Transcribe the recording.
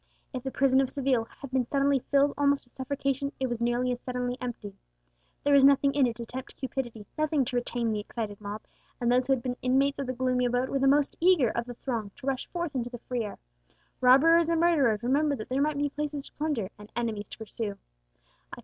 If the prison of Seville had been suddenly filled almost to suffocation, it was nearly as suddenly emptied. There was nothing in it to tempt cupidity, nothing to retain the excited mob; and those who had been inmates of the gloomy abode were the most eager of the throng to rush forth into the free air. Robbers and murderers remembered that there might be palaces to plunder, and enemies to pursue.